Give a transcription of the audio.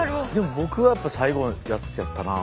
僕はやっぱ最後のやつやったなあ。